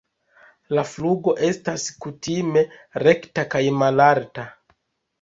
La flugo estas kutime rekta kaj malalta.